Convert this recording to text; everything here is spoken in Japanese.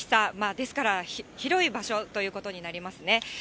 ですから、広い場所ということになりますね。